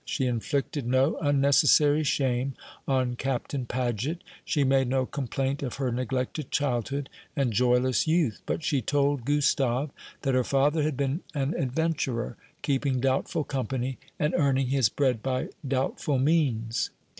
She inflicted no unnecessary shame on Captain Paget; she made no complaint of her neglected childhood and joyless youth; but she told Gustave that her father had been an adventurer, keeping doubtful company, and earning his bread by doubtful means.